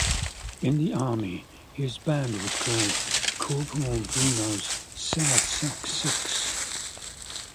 In the Army, his band was called Corporal Bruno's Sad Sack Six.